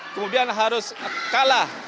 kemudian harus kalah